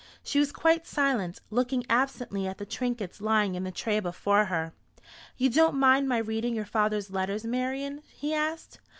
She was quite silent, looking absently at the trinkets lying in the tray before her. "You don't mind my reading your father's letters, Marian?" he asked.